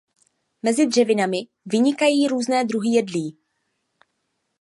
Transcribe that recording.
Mezi dřevinami vynikají různé druhy jedlí.